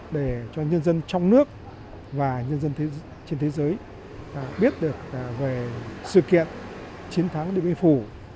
để cho nhân dân trong nước và nhân dân thế trên thế giới biết được về sự kiện chiến thắng điện biên phủ